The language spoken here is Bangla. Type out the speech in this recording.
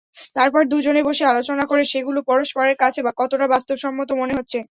তারপর দুজনে বসে আলোচনা করো সেগুলো পরস্পরের কাছে কতটা বাস্তবসম্মত মনে হচ্ছে।